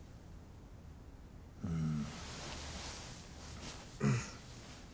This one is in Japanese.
うん。